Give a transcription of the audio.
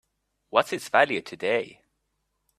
What's its value today?